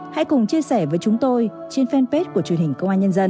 hãy cùng chia sẻ với chúng tôi trên fanpage của truyền hình công an nhân dân